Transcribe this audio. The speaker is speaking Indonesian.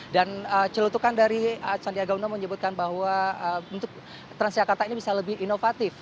dan celutukan dari sandiaga uno menyebutkan bahwa untuk transjakarta ini bisa lebih inovatif